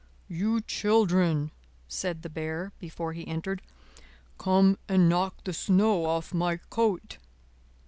"You children!" said the Bear, before he entered, "come and knock the snow off my coat."